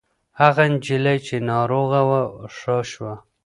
هغه نجلۍ چې ناروغه وه ښه شوه.